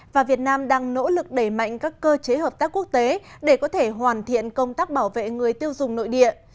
và việt nam đang nỗ lực đẩy mạnh các cơ chế hợp tác quốc tế để có thể hoàn thiện công tác bảo vệ người tiêu dùng nội địa